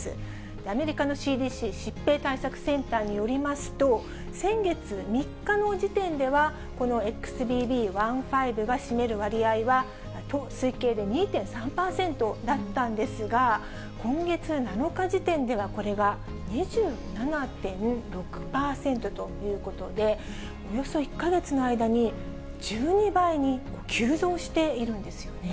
アメリカのＣＤＣ・疾病対策センターによりますと、先月３日の時点では、このＸＢＢ．１．５が占める割合は、推計で２．３％だったんですが、今月７日時点ではこれが２７．６％ということで、およそ１か月の間に１２倍に急増しているんですよね。